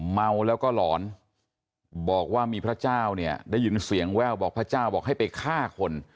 เมาแล้วก็หลอนบอกว่ามีพระเจ้าเนี่ยได้ยินเสียงแว่วบอกพระเจ้าบอกให้ไปฆ่าคน